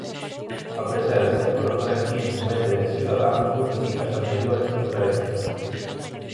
A presenza e progresivo medre de Ciudadanos modifica as anteriores transferencias.